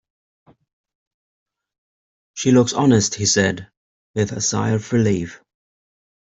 "She looks honest," he said, with a sigh of relief.